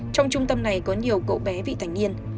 trong trung tâm này có nhiều cậu bé vị thành niên